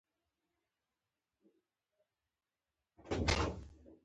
کانې پیداوار یې غوره اقتصادي بېخبنا ده.